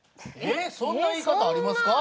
そんな言い方ありますか？